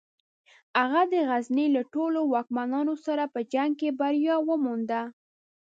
هغه د غزني له ټولو واکمنانو سره په جنګ کې بریا ومونده.